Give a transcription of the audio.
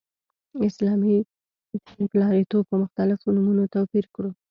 اسلامي توندلاریتوب په مختلفو نومونو توپير کړو.